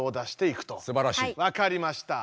わかりました。